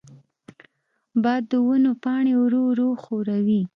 باد د ونو پاڼې ورو ورو ښوروي.